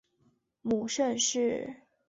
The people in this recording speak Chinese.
母盛氏。